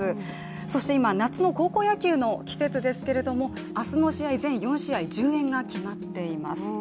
そして今、夏の高校野球の季節ですけれども明日の試合全４試合、順延が決まっています。